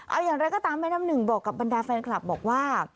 เอาอย่างไรก็ตามแม่น้ำหนึ่งบอกกับบรรดาแฟนคลับบอกว่า